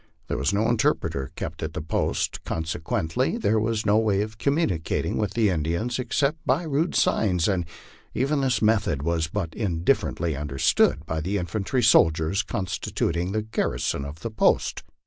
There was no interpreter kept at the post ; consequent!}' there was no way of communicating with the Indians except by rude signs, and even this method was but indifferently understood by the infantry soldiers constitu ting the garrison of the post.